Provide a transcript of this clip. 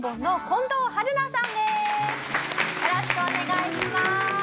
よろしくお願いします。